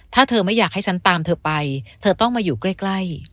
ถ้าเธอไม่อยากให้ฉันตามเธอไปเธอต้องมาอยู่ใกล้